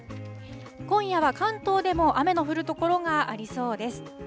今夜は関東でも雨の降る所がありそうです。